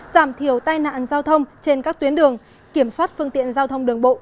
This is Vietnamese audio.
giảm thiểu tai nạn giao thông trên các tuyến đường kiểm soát phương tiện giao thông đường bộ